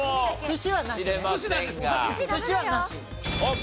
寿司はなし。